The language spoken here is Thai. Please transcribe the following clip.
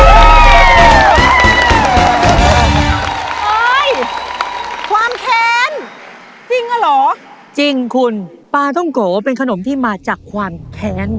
โอ้ยความแทนจริงเหรอจริงคุณปลาต้มโกเป็นขนมที่มาจากความแทน